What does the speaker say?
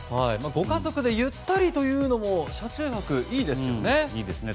ご家族でゆったりというのも車中泊、いいですよね。